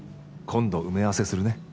「今度埋め合わせするね」。